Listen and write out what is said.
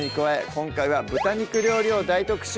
今回は豚肉料理を大特集